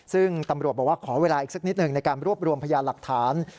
ซึ่งตำรวจบอกว่าขอเวลาอีกสักนิดหนึ่งในการรวบรวมพยานหลักฐาน